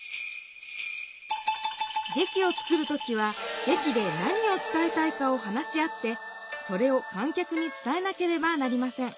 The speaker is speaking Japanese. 劇を作る時は劇で何を伝えたいかを話し合ってそれを観客に伝えなければなりません。